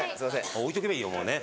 置いとけばいいよもうね。